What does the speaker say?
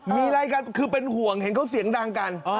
มีอะไรกันคือเป็นห่วงเห็นเขาเสียงดังกัน